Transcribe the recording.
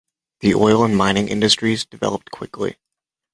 The oil and mining industries developed quickly.